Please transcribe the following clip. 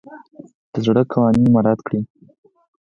د سړک قوانين مراعت کړه.